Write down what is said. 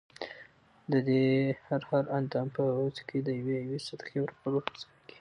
ددې هر هر اندام په عوض کي د یوې یوې صدقې ورکولو په ځای